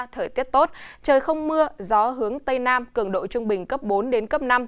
thời tiết tốt trời không mưa gió hướng tây nam cường độ trung bình cấp bốn đến cấp năm